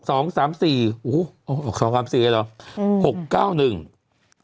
โอ้โฮ๒๓๔เลยเหรอ